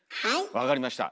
分かりました。